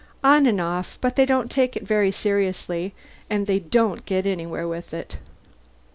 "On and off. But they don't take it very seriously and they don't get anywhere with it.